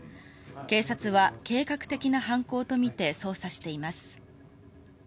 警察は計画的な犯行と見て捜査しています。